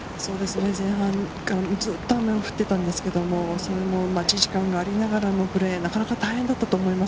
前半からずっと雨が降っていたんですけど、待ち時間もありながら、プレーが大変だったと思います。